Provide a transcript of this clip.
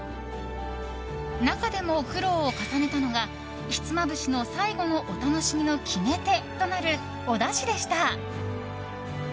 中でも苦労を重ねたのがひつまぶしの最後のお楽しみの決め手となる、おだしでした。